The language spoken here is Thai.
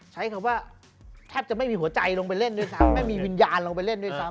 ใช้คำว่าแทบจะไม่มีหัวใจลงไปเล่นด้วยซ้ำไม่มีวิญญาณลงไปเล่นด้วยซ้ำ